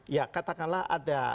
ya katakanlah ada